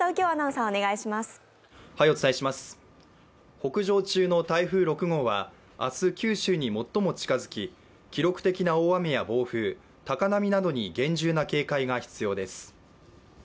北上中の台風６号は明日、九州に最も近づき、記録的な大雨や暴風、高波などに厳重な警戒が必要です。